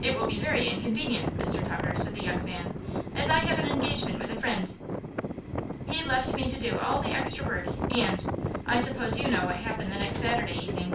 "'It will be very inconvenient, Mr. Tucker,' said the young man, 'as I have an engagement with a friend.' "He left me to do all the extra work, and I suppose you know what happened the next Saturday evening?"